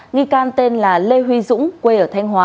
nghi can tên là lê huy dũng quê ở thanh hóa